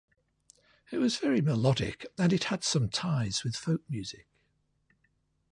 It was very melodic and it had some ties with folk music.